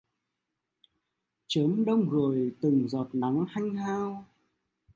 Chớm đông rồi từng giọt nắng hanh hao